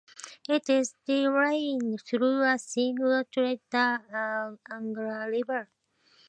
It is drained through a single outlet, the Angara River.